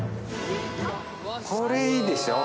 これいいでしょ。